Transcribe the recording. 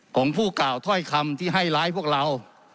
ของผู้กล่าวถ้อยคำที่ให้ร้ายพวกเรา